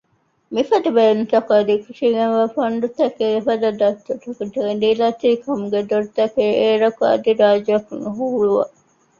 މިފަދަ ބޭނުންތަކަށްޓަކައި އެކަށީގެންވާ ފަންޑުތަކެއް އެފަދަ ދަތުރުތަކަށްޓަކައި ދީލަތި ކަމުގެ ދޮރުތަކެއް އޭރަކު އަދި ރާއްޖެއަކު ނުހުޅުވެ